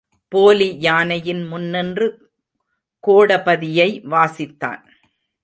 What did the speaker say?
போலி யானையின் முன்னின்று கோடபதியை வாசித்தான்.